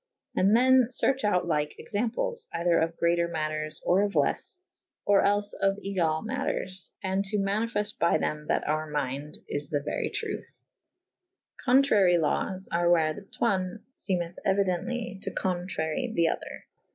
And then ferche out lyke examples / either of greater maters or of leffe / or els of egall maters / and to manifeft by theOT / that our mynde is the very truthe. Contrary lawes are where the tone femeth euidently to contrarye the other.